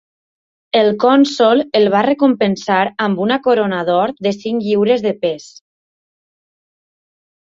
El cònsol el va recompensar amb una corona d'or de cinc lliures de pes.